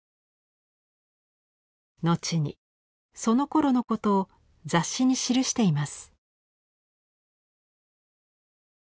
後にそのころのことを雑誌に記しています。